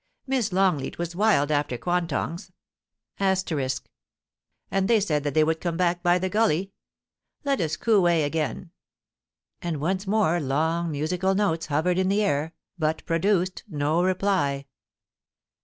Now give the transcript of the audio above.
Miss Longleat was wild after quantongs,* and they said that they would come back by the gully. Let us coo ee again.' And once more long musical notes hovered in the air, but produced no reply.